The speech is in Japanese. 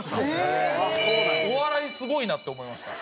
お笑いすごいなって思いました。